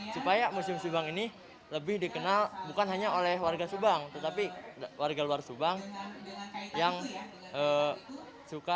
supaya museum subang ini lebih dikenal bukan hanya oleh warga subang tetapi warga luar subang yang suka